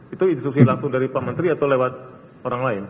itu instruksi langsung dari pak menteri atau lewat orang lain